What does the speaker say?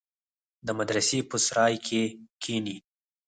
د مدرسې په سراى کښې کښېني.